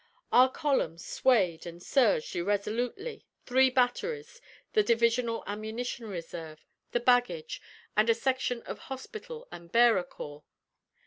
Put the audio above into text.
Our column swayed and surged irresolutely three batteries, the divisional ammunition reserve, the baggage, and a section of hospital and bearer corps.